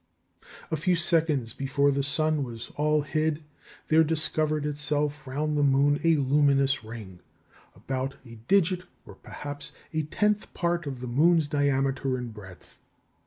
A few seconds before the sun was all hid, there discovered itself round the moon a luminous ring, about a digit or perhaps a tenth part of the moon's diameter in breadth.